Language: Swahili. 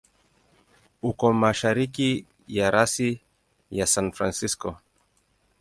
Uko mashariki ya rasi ya San Francisco.